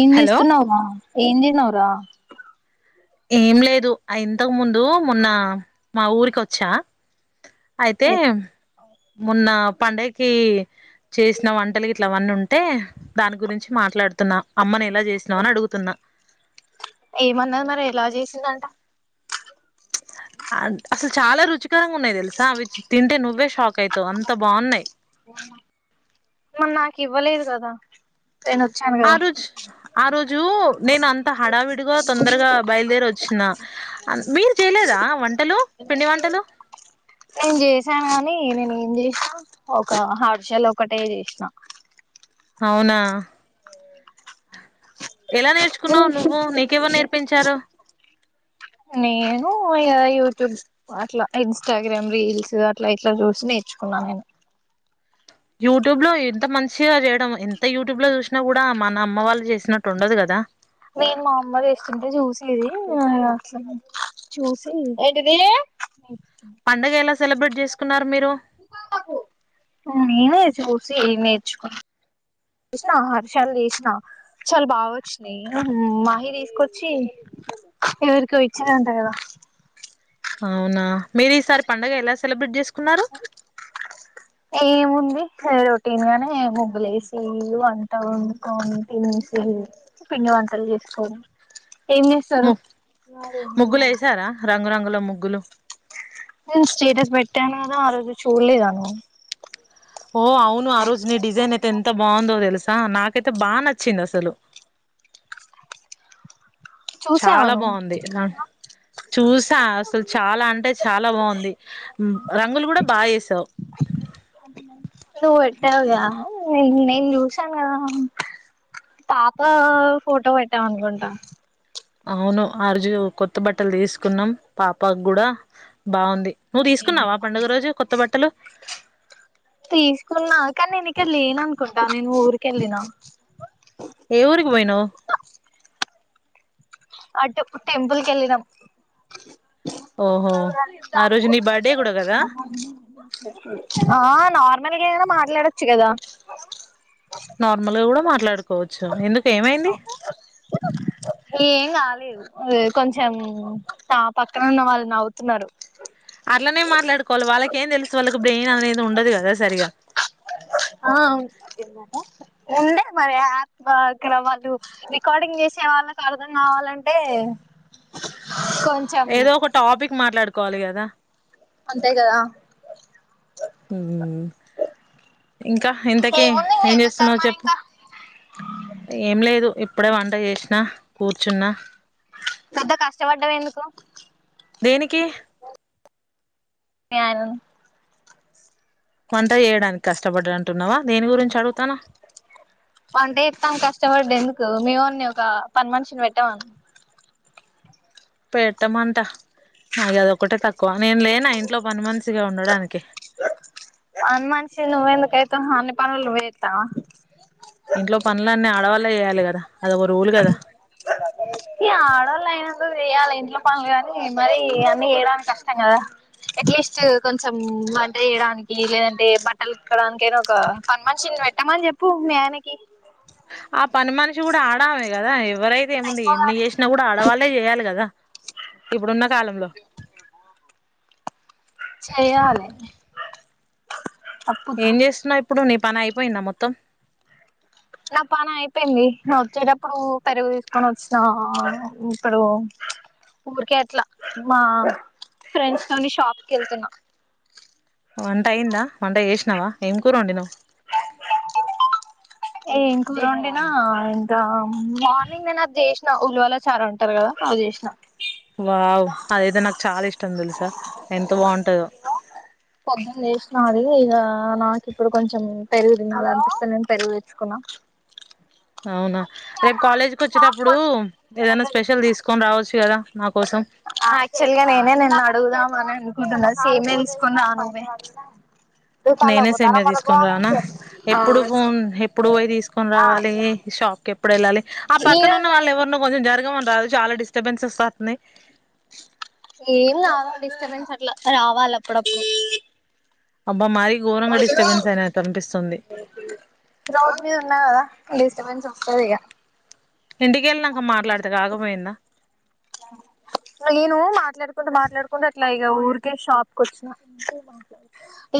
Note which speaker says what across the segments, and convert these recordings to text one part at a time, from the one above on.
Speaker 1: ఏం
Speaker 2: హలో
Speaker 1: చేస్తున్నావ్ ఉమ ఏం తిన్నవ్ రా
Speaker 2: ఏం లేదు ఇంతకు ముందు మొన్న మా ఊరికి వచ్చా అయితే మొన్న పండగకి చేసిన వంటలు ఇట్లవన్నీ ఉంటే దాని గురించి మాట్లాడుతున్నా అమ్మను ఎలా చేసినవు అని అడుగుతున్నా
Speaker 1: ఏమన్నది మరి ఎలా చేసిందంట
Speaker 2: [inaudible] అసలు చాలా రుచికరంగా ఉన్నాయి తెలుసా అవి తింటే నువ్వే షాక్ అయితవు అంత బాగున్నయి
Speaker 1: మరి నాకు ఇవ్వలేదు కదా నేను వచ్చాను
Speaker 2: ఆ
Speaker 1: కదా
Speaker 2: రోజు ఆ రోజు నేను అంత హడావిడిగా తొందరగా బయలుదేరి వచ్చిన మీరు చేయలేదు దా వంటలు పిండి వంటలు
Speaker 1: నేను జే చేశా గాని నేను ఏం చేసినా ఒక అరిసెలు ఒకటే చేసినా
Speaker 2: అవునా ఎలా నేర్చుకున్నావు నువ్వు నీకెవరు నేర్పించారు
Speaker 1: నేను యూట్యూబ్ అట్లా ఇన్స్టాగ్రామ్ రీల్స్ అట్లా ఇట్లా చూసి నే చుకున్న
Speaker 2: యూట్యూబ్ లో ఎంత మంచిగా చేయడం ఎంత యూట్యూబ్ లో చూసినా కూడా మన అమ్మ వాళ్ళు చేసినట్టు ఉండదు కదా
Speaker 1: నేను మా అమ్మ చేస్తుంటే చూసేది అసలు చూసి ఏంటిది అ [inaudible]
Speaker 2: పండగ ఎలా సెలబ్రేట్ చేసుకున్నారు మీరు
Speaker 1: మేమే చుసి నేర్చుకున్న చేసిన అరిసెలు చేసినా చాలా బాగా వచ్చినాయి మాహీ తీసుకొచ్చి ఎవరికో ఇచ్చరంట కదా
Speaker 2: అవునా మీరు ఈసారి పండుగ ఎలా సెలబ్రేట్ చేసుకో
Speaker 1: ఏముంది రొటీన్ గానే ముగ్గు లేసి వంట వండుకొని తినేసి వంటలు చేసుకోని ఏం చేస్తారు
Speaker 2: ము ముగ్గులు వేసారా రంగురంగుల ముగ్గులు
Speaker 1: నేను స్టేటస్ పెట్టాను కా ఆ రోజు చూడలేదా నువ్వు
Speaker 2: ఓ అవును ఆ రోజు నీ డిజైన్ అయితే ఎంత బాగుందో తెలుసా నాకు అయితే బాగా నచ్చింది అసలు
Speaker 1: చూసావా
Speaker 2: చాలా
Speaker 1: నువ్వు
Speaker 2: బాగుంది చూసా అసలు చాలా అంటే చాలా బాగుంది రంగులు కూడా బాగా వేసావు
Speaker 1: నువ్వు పెట్టావుగా నేను చూసాను కదా పాత ఫోటో పెట్టాం అనుకుంటా
Speaker 2: అవును అరుజు కొత్త బట్టలు తీసుకున్నాం పాపకు కూడా బాగుంది నువ్వు తీసుకున్నావా పండుగ రోజు కొత్త బట్టలు
Speaker 1: తీసుకున్నా కానీ నేను ఇక్కడ లేన అనుకుంటా నేను ఊరిక వెళ్ళిన
Speaker 2: ఏ ఊరికి పోయినవు
Speaker 1: అటు టెంపుల్ కి వెళ్ళినం
Speaker 2: ఓహో ఆ రోజు నీ బర్త్డే కూడా కదా
Speaker 1: ఆ నార్మల్ [unintelligible] మాట్లాడచ్చు కదా
Speaker 2: నార్మల్గా కూడా మాట్లాడుకోవచ్చు ఎందుకు ఏమైంది
Speaker 1: రాలేదు కొంచెం ఆ పక్కన ఉన్న వాళ్ళుని నవ్వుతున్నారు
Speaker 2: అట్లనే మాట్లాడుకోవాలి వాళ్ళకేం తెలుసు వాళ్ళకి బ్రెయిన్ అనేది ఉండదు కదా సరిగా
Speaker 1: ఆ [unintelligible] కావాలంటే కొంచెం
Speaker 2: ఏదో ఒక టాపిక్ మాట్లాడుకోవాలి కదా
Speaker 1: అంతే కదా
Speaker 2: ఇంకా ఇంతకీ
Speaker 1: ఏముంది
Speaker 2: ఏం
Speaker 1: చెత్తారు
Speaker 2: చేస్తున్నావు
Speaker 1: మరి
Speaker 2: చెప్పు
Speaker 1: ఇంకా
Speaker 2: ఏం లేదు ఇప్పుడే వంట చేసినా కూర్చున్నా
Speaker 1: ఎంత కష్టపడం ఎందుకో
Speaker 2: దేనికి
Speaker 1: [unintelligible]
Speaker 2: వంట చేయడానికి కష్టపడం అంటున్నావా దేని గురించి అడుగుతానవ్
Speaker 1: వంటే చెప్తాం కష్టపడ్డ ఎందుకు మేమన్ని ఒక పని మనిషిని పెట్టామని
Speaker 2: పెట్టమంట నాకు అదొ ఒకటే తక్కువ నేను లేనా ఇంట్లో పని మనిషిగా గా ఉండడానికి
Speaker 1: అన్న మనిషి నువ్వు ఎందుకు అయితవ్వ్ అన్ని పనులు చేతవ
Speaker 2: ఇంట్లో పనులన్నీ ఆడవాళ్లే చేయాలి కదా అదొక రూల్ కదా
Speaker 1: ఇ ఆడోళ్లు అయిన కు చేయాలి ఇంట్లో పనులు కాని మర అన్నీ చేయడానికి కష్టం కదా ఎట్లీస్ట్ కొంచెం వంట చేయడానికి లేదంటే బట్టలు ఎక్కడానిక అయిన ఒక పని మనిషి పెట్టమని చెప్పు మీ ఆయనకి
Speaker 2: ఆ పని మనిషి కూడా ఆడమే కదా [unintelligible] ఎవరైతే ఏముంది ఎన్ని చేసినా కూడ ఆడవాళ్ళే చేయాలి కదా ఇప్పుడున్న కాలంలో
Speaker 1: చేయాలే
Speaker 2: ఏం చేస్తున్నావు ఇప్పుడు నీ పని అయిపోయింద మొత్తం
Speaker 1: నా పాని అయిపోయింది ను వచ్చేటప్పుడు పెరుగు తీసుకొని వచ్చిన ఇప్పుడు ఊరికే అట్లా మా ఫ్రెండ్స్ తో షాప్కి వెళ్తున్నా
Speaker 2: వంట అయి్యందా వంట చేసినవా ఏం కూర వండినావ్
Speaker 1: ఏం కూర ఒండినా ఇంకా మార్నింగ్ నేను అది చేసినా ఉలవల చారు అంటారు కదా [unintelligible]
Speaker 2: వావ్ అదయితే నాకు చాల ఇష్టం తెలుసా ఎంత బాగుంటదో
Speaker 1: పొద్దున చేష్ణ ఇగ నాకు ఇప్పుడు కొంచెం పెరుగు తినాలనిపిస్తే నేను పెరుగు తెచ్చుకున్నా
Speaker 2: అవునా రేపు కాలేజ్ కి వచ్చేటప్పుడు ఏదైనా స్పెషల్ తీసుకొని రావచ్చు కదా నా కోసం
Speaker 1: యాక్చువల్ గా నేనే నిన్ను అడుగుదా మన అనుకుంటున్నా సేమ్యా తీసుకొని రామే
Speaker 2: నేనే సేమ్యా తీసుకొని రానా
Speaker 1: ఆ
Speaker 2: ఎప్పుడు
Speaker 1: సరే
Speaker 2: ఫోన్ ఎప్పుడు పోయి తీసుకొని రావాలి షాప్ ఓకే ఎప్పుడు ఎళ్ళాలి ఆ
Speaker 1: ఈ
Speaker 2: పక్కన
Speaker 1: రోజు
Speaker 2: ఉన్న వాళ్ళు
Speaker 1: నైట్
Speaker 2: ఎవరినన్నా కొంచెం జరగమని రాదే చాలా డిస్టబెన్స్ వస్తాంది
Speaker 1: ఏం రావాలి డిస్టబెన్స్ అట్ల రావాలి అప్పుడప్పుడు
Speaker 2: అబ్బా మరీ ఘోరంగా డిస్టర్బెన్స్ అయినట్టు అనిపిస్తుంది
Speaker 1: రోడ్ మీద ఉన్నా కదా డిస్టబెన్స్ వస్తది ఇగ
Speaker 2: ఇంటికెళ్ళినాక మాట్లాడితే కాకపోయిందా [inaudible]
Speaker 1: నేను మాట్లాడుకుంట మాట్లాడుకుంట అట్లా ఇగ ఊరికే షాప్ కు వచ్చిన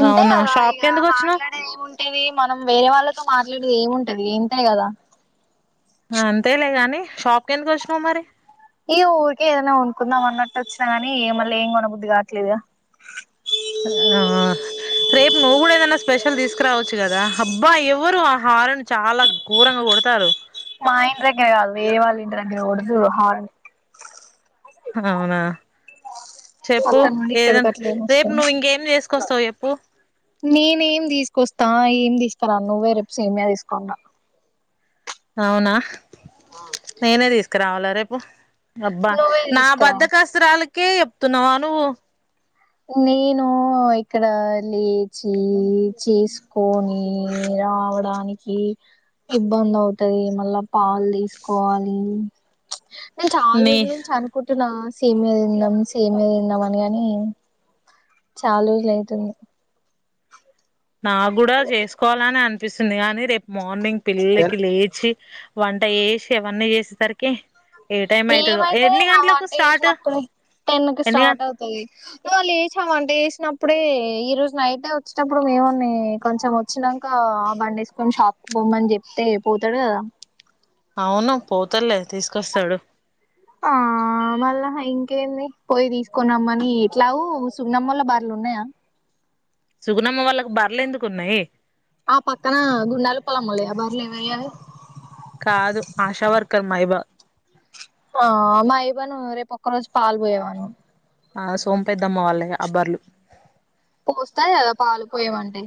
Speaker 1: ఇంతే
Speaker 2: అవునా
Speaker 1: కదా
Speaker 2: షాప్
Speaker 1: ఇగ
Speaker 2: కి ఎందుకు వచ్చినావు
Speaker 1: మాట్లాడేది ఏముంది టేది మనం వేరే వాళ్ళతో మాట్లాడేది ఏముంటది ఇంతే కదా
Speaker 2: ఆ అంతేలేగాని షాప్ కి ఎందుకు వచ్చినావు మరి
Speaker 1: ఈ ఊరికే ఏదైనా కొనుకుందాం అన్నట్టు వచ్చినా గానీ మళ్ళీ ఏం కొనబుద్ధి కావట్లేదు ఇగ
Speaker 2: ఆ రేపు నువ్వు కూడా ఏదన్న స్పెషల్ తీసుకురావచ్చు కదా అబ్బా ఎవరు ఆహా హరన్ చాలా ఘోరంగా కొడతారు
Speaker 1: ఈడ కాదు వేరే వాళ్ళి ఇంటి దగ్గర కొడుతుర్రు హారన్
Speaker 2: అవునా చెప్పు
Speaker 1: అక్కడ నుండి ఇక్కడికి
Speaker 2: ఏదన్నా
Speaker 1: అట్లా ఏం
Speaker 2: రేపు
Speaker 1: వస్తుంది
Speaker 2: నువ్వు ఇంకేం చేసుకొస్తావు చెప్పు
Speaker 1: నేనేం తీసుకొస్తా ఏం తీసుకురాను నువ్వే రేపు సేమ్యా తీసుకోన్ రా
Speaker 2: అవునా నేనే తీసుకురావాలా రేపు అబ్బా
Speaker 1: నువ్వే
Speaker 2: నా
Speaker 1: తీసుకురా
Speaker 2: బద్దకస్తురాలుకే చెప్తున్నావా నువ్వు
Speaker 1: నేను ఇక్కడ లేచి చేసుకోని రావడానికి ఇబ్బంది అవుతది మళ్ళా పాలు తీసుకోవాలి నేను చాలా
Speaker 2: నీ
Speaker 1: రోజుల నుంచి అనుకుంటున్నా సేమ్యా తిందాం సేమ్యా తిందాం అని గాని చాల రోజులు అయితుంది
Speaker 2: నా కూడా చేసుకోవాలని అనిపిస్తుంది కానీ రేపు మార్నింగ్ పిల్లలకి లేచి వంట చేసి అవన్నీ చేసేసరికి ఏ టైం అయితదో
Speaker 1: ఏమైతది
Speaker 2: ఎన్ని
Speaker 1: హా
Speaker 2: గంటలకు
Speaker 1: వంట
Speaker 2: స్టార్ట్
Speaker 1: చేసినపుడే టెన్ కి
Speaker 2: ఎన్ని గ
Speaker 1: స్టార్ట్ అవుతది ఇంగా లేచామం లేసినప్పుడే ఈ రోజు బైవచ్చేటప్పుడు మేమున్ని కొంచెం వచ్చినంక బండి వేసుకుని షాప్ కు పోమ్మని చెప్తే పోతడు కదా
Speaker 2: అవును పోతల్లే తీసుకొస్తాడు
Speaker 1: ఆ ఆ మళ్ళా ఇంకేంది పోయి తీసుకొని రమ్మని ఎట్లాగో సున్నమ్మల బర్లు ఉన్నాయా
Speaker 2: సుగునమ్మ వాళ్ళకు బర్లే ఎందుకు ఉన్నాయి
Speaker 1: ఆ పక్కన గుండాలు పొలములే ఆ బర్లు ఏమయ్యాయి
Speaker 2: కాదు ఆశా వర్కర్ మైబా
Speaker 1: ఆ మా ఇవ్వను రేపు ఒక్క రోజు పాల్ పొయ్యమను
Speaker 2: ఆ సోం పెద్దమ్మ వాళ్ళ వే అ బర్లు
Speaker 1: పోస్తాది కదా పాలు పోయమంటే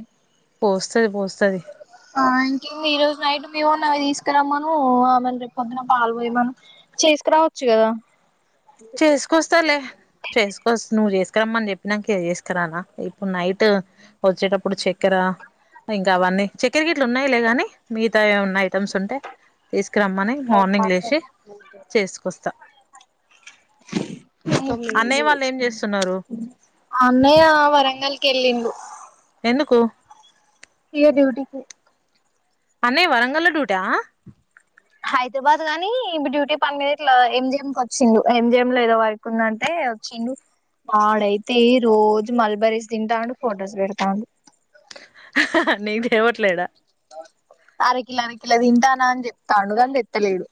Speaker 2: పోస్తది పోస్తది
Speaker 1: ఆ ఇంకో ఈరోజు నైట్ మీ వోన్ని అవి తీసుకురామ్మను ఆమెని రేపు పొద్దున పాలు పోయమను చేసుకురావచ్చు కదా
Speaker 2: చేసుకొస్తాలే చేసుకోస్తా నువ్వు చేసు కరమ్మని చెప్పినాకే చేసకరాన ఇప్పుడు నైట్ వచ్చేటప్పుడు చక్కెర ఇంకా అవన్నీ చక్కెర గెట్లు ఉన్నాయిలేగానీ మిగతా ఏమన్నా ఐటమ్స్ ఉంటే తీసు క రమ్మని మార్నింగ్ లేసి చేసుకొస్తా అన్నయ్య వాళ్ళు ఏం చేస్తున్నారు
Speaker 1: అన్నయ వరంగల్ కెళ్ళిండు
Speaker 2: ఎందుకు
Speaker 1: ఈ డ్యూటీ కే
Speaker 2: అన్నయ వరంగల్లా డ్యూటీ ఆ
Speaker 1: హైదరాబాద్ గానీ ఇప్పుడు డ్యూటీ పని మీద ఇట్లా ఎం జి ఎం కి వచ్చిండు ఎం జి ఎం లో ఏదో వర్క్ ఉందంటే [unintelligible] వచ్చిండు వాడు అయితే రోజు మల్బరస్ తింటాండి ఫొటోస్ పెడతాండు
Speaker 2: నీకు ఇవ్వట్లేద
Speaker 1: అరకిల్లా అరకిల్లా తింటానా అని చెప్తాండు కాని తెత్తలేడు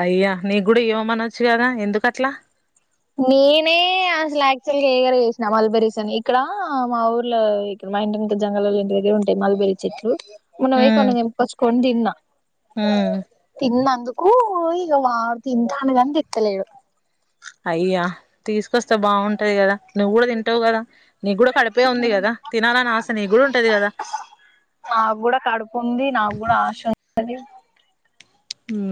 Speaker 2: అయ్యా నీకు కూడా ఇవ్వమనొచ్చు కదా ఎందుకట్లా
Speaker 1: నేనే అసలు యాక్టువల్గా వసినా అలబరిస అని ఇక్కడ మా ఊర్లో ఇక్కడ మా ఇంటి ముందు జంగలల్ల ఇంటి దగ్గర ఉంటాయి మల్బేరి చెట్లు మొన్న వోయి
Speaker 2: ఉమ్
Speaker 1: తెంపుకొచ్చుకొని తిన్నా
Speaker 2: ఉమ్
Speaker 1: తిన్నందుకు కు ఇగా వావ్ తింటాడు కానీ తేత్తలేడు.
Speaker 2: ఇయ్యా తీసుకొస్తే బావుంటది కదా నువ్వు కూడా తింటవు కదా. నీ కూడా కడిపే ఉంది కదా, తినాలని ఆస నీకు కూడా ఉంటది కదా.
Speaker 1: ఆ నాకు కూడా కడుపు ఉంది, నాకు కూడా ఆశ ఉన్నది.
Speaker 2: హు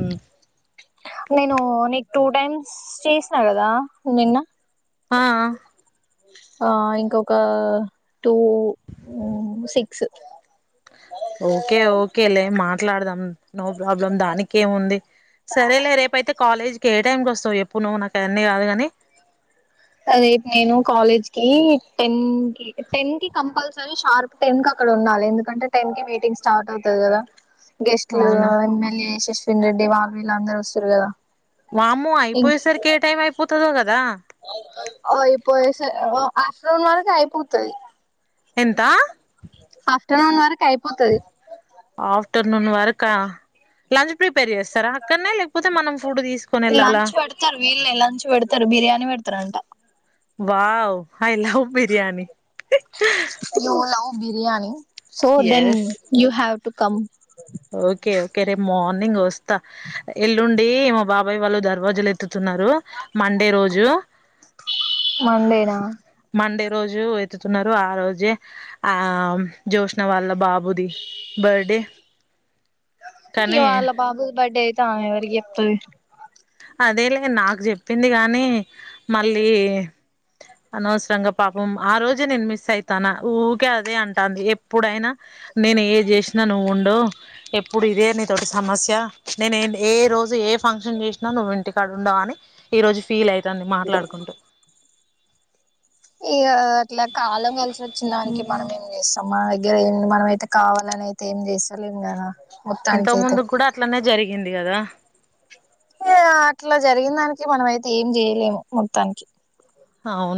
Speaker 1: నేను నీకు టూ టైమ్స్ చేసినా కదా నిన్నా.
Speaker 2: ఆ ఆ
Speaker 1: ఆ ఇంకొక టూ సిక్స్.
Speaker 2: ఓకే ఓకే లే మాట్లాడదాం నో ప్రాబ్లం దానికి ఏముంది. సరేలే రేపయితే కాలేజ్కి ఏ టైం కి వస్తావు చెప్పు నువ్వు నాకు అవన్నీ కాదు కాని.
Speaker 1: రేపు నేను కాలేజ్ కి టెన్ కి టెన్ కి కంపల్సరీ షార్ప్ టెన్ కి అ క్కడ ఉండాలె ఎందుకంటే టెన్ కి మీటింగ్ స్టార్ట్ అవుతది కదా. గెస్ట్లు
Speaker 2: అవునా
Speaker 1: ఎమ్మెల్యే యశస్వినీ రెడ్డి వాళ్ళు వీళ్ళు అందరు వస్తరు కదా.
Speaker 2: వామ్మో అయిపోయేసరికి ఏ టైం అయిపోతదో కదా.
Speaker 1: ఓ ఐపోయే సరే ఆఫ్టర్నూన్ వరకు అయిపోతది.
Speaker 2: ఎంతా.
Speaker 1: ఆఫ్టర్నూన్ వరకు అయిపోతది.
Speaker 2: ఆఫ్టర్నూన్ వరకా లంచ్ ప్రిపేర్ చేస్తారా అక్కడనే లేకపోతే మనం ఫుడ్ తీసుకొని వెళ్ళాలా
Speaker 1: లంచ్ పెడతరు వీళ్ళే లంచ్ పెడతరు బిర్యానీ పెడతరంటా.
Speaker 2: Wow I love biryani.
Speaker 1: You love biryani so then
Speaker 2: yes
Speaker 1: you have to come.
Speaker 2: Okay okay రేపు మార్నింగ్ వస్తా. ఎల్లుండి మా బాబాయ్ వాళ్ళు దర్వాజలు ఎత్తుతు న్నరు మండే రోజు.
Speaker 1: మండేనా.
Speaker 2: మండే రోజు ఎత్తుతున్నరు ఆ రోజే ఆ జ్యోష్న వాళ్ళ బాబుది బర్డే
Speaker 1: ఈ వాళ్ళ బాబుది బర్డే అయితే ఆమె ఎవరికి చెప్తది.
Speaker 2: అదే లే నాకు చెప్పింది కానీ మళ్ళీ అనవసరంగా పాపం ఆ రోజే నేను మిస్ అయితాన్న ఊకే అదే అంటాంది. ఎప్పుడైనా నేను ఏది చేసినా నువ్వు ఉండవు. ఎప్పుడు ఇదే నీతోటి సమస్యా నేను ఏ రోజు ఏ ఫంక్షన్ చేశి నా నువ్వు ఇంటికాడ ఉండవు అని ఈ రోజు ఫీల్ అయితాంది మాట్లాడుకుంటూ.
Speaker 1: ఇగా అట్లా కాలం కలిసోచ్చిన దానికి మనం ఏం చేస్తాం. మన దగ్గర ఏ మనం అయితే కావాలనే అయితే ఏం చేస్తాలేేం కదా.
Speaker 2: ఇంతక
Speaker 1: మొత్తానికి అయితే
Speaker 2: ముందుకు కూడా అట్లనే జరిగింది కదా.
Speaker 1: ఏ అట్లా జరిగిన దానికి మనం అయితే ఏం చేయలేము మొత్తానికి.
Speaker 2: అవును